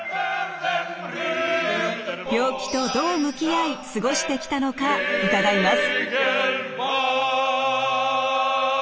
病気とどう向き合い過ごしてきたのか伺います。